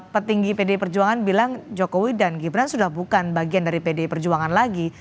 petinggi pdi perjuangan bilang jokowi dan gibran sudah bukan bagian dari pdi perjuangan lagi